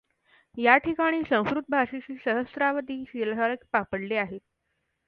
या ठिकाणी संस्कृत भाषेतील सहस्रावधी शिलालेख सापडले आहे.